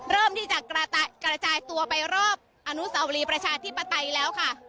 เริ่มที่จะกระจายตัวไปรอบอนุสาวรีประชาธิปไตยแล้วค่ะ